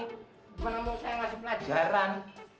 gimana mau saya ngasih pelajaran